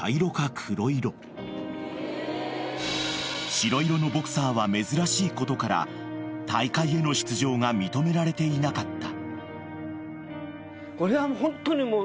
［白色のボクサーは珍しいことから大会への出場が認められていなかった］